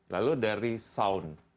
lalu dari sound